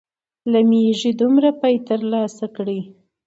له مېږې دومره پۍ تر لاسه کړې.